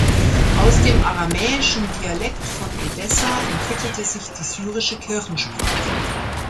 Aus dem aramäischen Dialekt von Edessa entwickelte sich die syrische Kirchensprache.